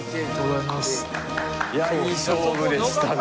いやいい勝負でしたね。